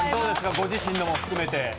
ご自身のも含めて。